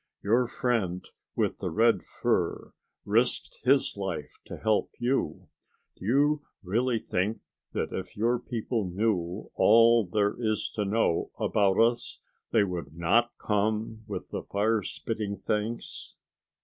Your friend with the red fur risked his life to help you. Do you really think that if your people knew all there is to know about us, they would not come with the fire spitting things?"